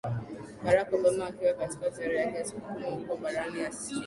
barack obama akiwa katika ziara yake ya siku kumi huko barani asia